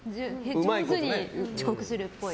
上手に遅刻するっぽい。